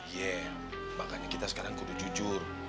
iya makanya kita sekarang kudu jujur